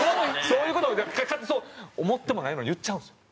そういう事を思ってもないのに言っちゃうんですよ。